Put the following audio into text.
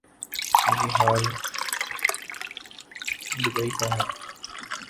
یہی حال دوبئی کا ہے۔